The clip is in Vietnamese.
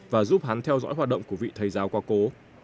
và giúp hắn theo dõi hoạt động của vị thầy giáo qua cố